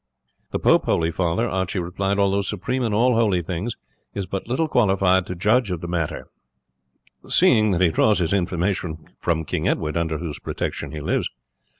"The pope, holy father," Archie replied, "although supreme in all holy things, is but little qualified to judge of the matter, seeing that he draws his information from King Edward, under whose protection he lives.